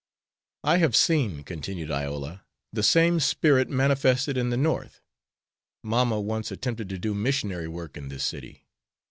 "I have seen," continued Iola, "the same spirit manifested in the North. Mamma once attempted to do missionary work in this city.